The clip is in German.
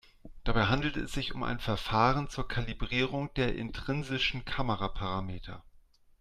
Dabei handelt es sich um ein Verfahren zur Kalibrierung der intrinsischen Kameraparameter.